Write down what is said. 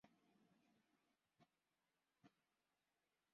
Kiwango cha maambukizi ya ugonjwa wa ndorobo kwa ngamia